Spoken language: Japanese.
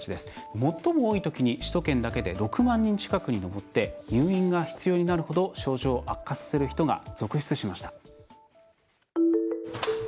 最も多いときに首都圏だけで６万人近くに上って入院が必要になるほど症状を悪化させる人が続出しました。